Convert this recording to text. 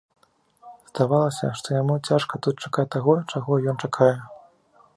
Здавалася, што яму цяжка тут чакаць таго, чаго ён чакае.